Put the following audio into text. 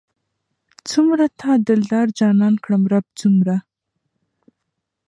څومره تا دلدار جانان کړم رب څومره